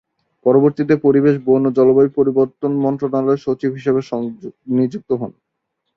পরবর্তীতে পরিবেশ, বন ও জলবায়ু পরিবর্তন মন্ত্রণালয়ের সচিব হিসেবে নিযুক্ত হন।